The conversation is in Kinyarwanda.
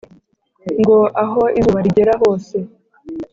ngo aho izuba rigera hose